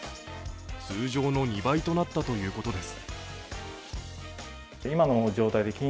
通常の２倍となったということです